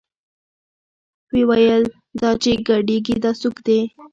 ويې ويل دا چې ګډېګي دا سوک دې.